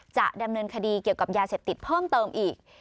จะดำเนินคดีเกี่ยวกับยาเสพติดเพิ่มเติมอีก